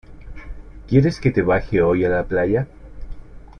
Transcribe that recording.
¿ quieres que te baje hoy a la playa?